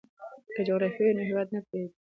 که جغرافیه وي نو هیواد نه پردی کیږي.